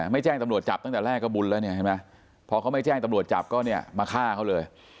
ไม่แจ้งตำรวจจับตั้งแต่แรกก็บุญแล้วพอเขาไม่แจ้งตำรวจจับก็มาฆ่าเขาเลย